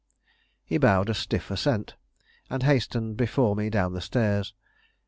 He bowed a stiff assent, and hastened before me down the stairs.